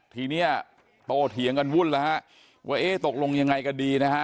ทีนี้โตเถียงกันวุ่นแล้วฮะว่าเอ๊ะตกลงยังไงกันดีนะฮะ